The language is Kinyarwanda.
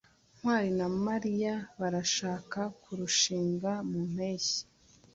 ntwali na mariya barashaka kurushinga mu mpeshyi